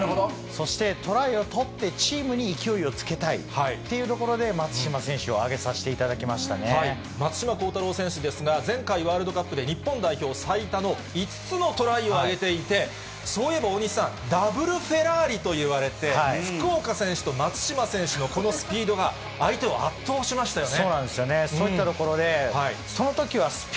そして、トライを取ってチームに勢いをつけたいというところで、松島選手松島幸太朗選手ですが、前回ワールドカップで日本代表最多の５つのトライを挙げていて、そういえば大西さん、ダブルフェラーリといわれて、福岡選手と松島選手のこのスピードが、相手を圧倒しましたよね。